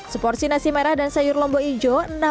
seporsi nasi merah dan sayur lombok hijau